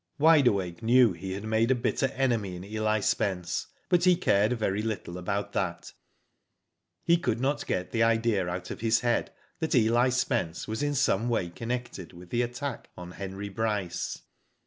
Wide .Awake knew he had made a bitter enemy in Eli Spence, but he cared very little about that. He could not get the idea out of his head that Eli Spence was in some way connected with the attack on Henry Bryce.